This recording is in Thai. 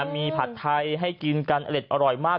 มีผัดไทยให้กินกันอเล็ดอร่อยมาก